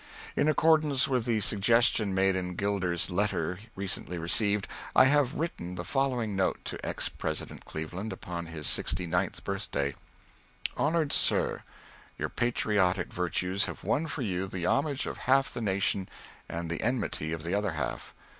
In accordance with the suggestion made in Gilder's letter recently received I have written the following note to ex President Cleveland upon his sixty ninth birthday: HONORED SIR: Your patriotic virtues have won for you the homage of half the nation and the enmity of the other half.